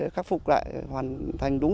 khắc phục lại hoàn thành đúng